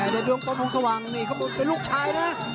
เด็ดดวงประมงสว่างนี่เขาเป็นลูกชายนะ